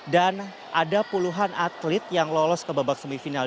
dan ada puluhan atlet yang lolos ke babak semifinal